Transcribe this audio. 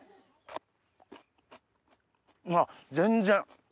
わっ全然。